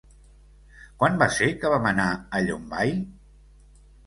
Quan va ser que vam anar a Llombai?